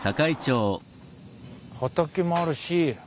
畑もあるし